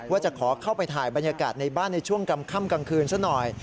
ว่าจะขอเข้าไปถ่ายบรรยากาศในบ้านในช่วงกลางค่ำกลางคืนซะหน่อย